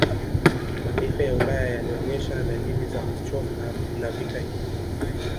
Mataifa ya Ulaya yalionesha dalili za kuchoka na vita hii